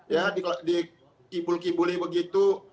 ya dikibul kibuli begitu